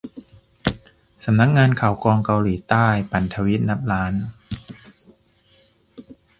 สำนักงานข่าวกรองเกาหลีใต้ ปั่นทวีตนับล้าน